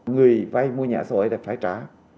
người vay mua nhà xã hội là phải trả